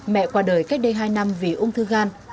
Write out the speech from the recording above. mẹ qua đời cách đây hai năm vì ung thư gan